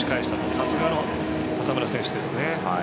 さすがの浅村選手ですね。